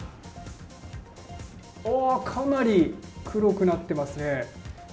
かなり黒くなってますね。